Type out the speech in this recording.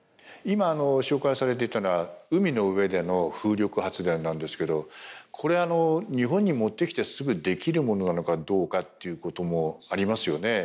今紹介されていたのは海の上での風力発電なんですけどこれ日本に持ってきてすぐできるものなのかどうかということもありますよね？